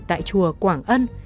tại chùa quảng ân